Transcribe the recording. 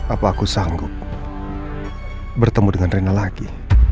apa aku sanggup bertemu dengan rina lagi